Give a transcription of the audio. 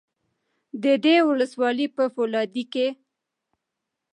د دې ولسوالۍ په فولادي کې